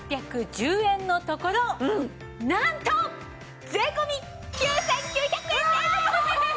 円のところなんと税込９９００円です！